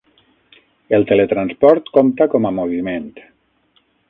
El teletransport compta com a moviment.